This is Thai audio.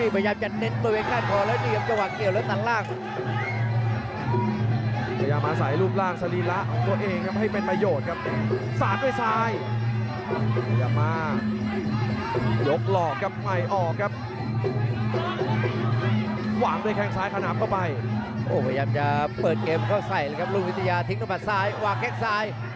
พยายามจะเปิดเกมเข้าใส่เลยครับลุงวิทยาทิ้งตัวผ่านซ้ายหวากแก๊กซ้าย